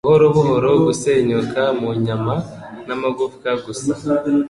buhoro buhoro gusenyuka mu nyama n'amagufwa gusa